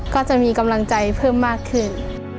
ก็จะมีกำลังใจเพิ่มมากขึ้น